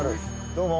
どうも。